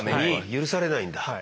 許されないんだ。